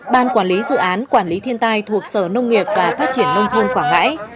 ban quản lý dự án quản lý thiên tai thuộc sở nông nghiệp và phát triển nông thôn quảng ngãi